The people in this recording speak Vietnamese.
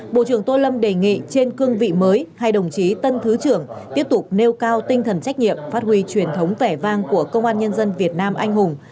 bộ trưởng tô lâm đề nghị trên cương vị mới hai đồng chí tân thứ trưởng tiếp tục nêu cao tinh thần trách nhiệm phát huy truyền thống vẻ vang của công an nhân dân việt nam anh hùng